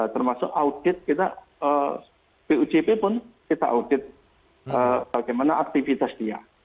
termasuk audit kita pujp pun kita audit bagaimana aktivitas dia